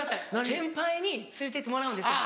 先輩に連れて行ってもらうんですよ。